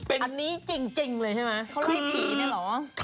อันนี้จริงเลยใช่ไหมเขาไล่ผีเนี่ยเหรอ